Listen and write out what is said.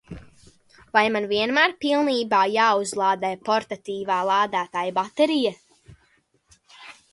Vai man vienmēr pilnībā jāuzlādē portatīvā lādētāja baterija?